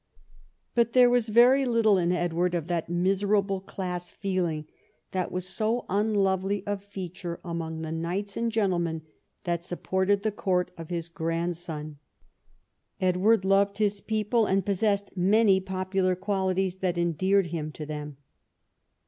But there was very little in Edward of that miserable class feeling that was so unlovely a feature among the knights and gentlemen that supported the coui't of his grandson. Edward loved his people, and possessed many popular qualities that endeared him to them.